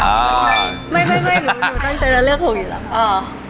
ไม่หรือหนูต้องเต็มแล้วเลือก๖อยู่แล้ว